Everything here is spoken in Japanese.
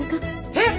えっ！